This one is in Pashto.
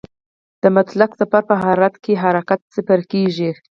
د مطلق صفر په حرارت کې حرکت صفر کېږي.